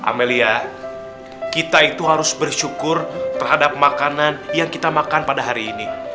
amelia kita itu harus bersyukur terhadap makanan yang kita makan pada hari ini